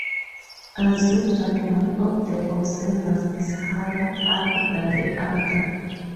Assume that one of the observers is "higher up" than the other.